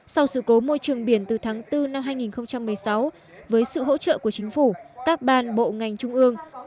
sau sự cố môi trường biển từ tháng bốn năm hai nghìn một mươi sáu với sự hỗ trợ của chính phủ các ban bộ ngành trung ương